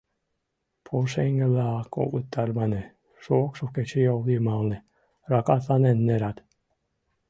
Пушеҥге-влак огыт тарване, шокшо кечыйол йымалне ракатланен нерат.